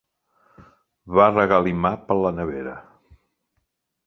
Va regalimar per la nevera.